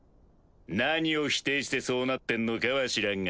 何を否定してそうなってんのかは知らんがな。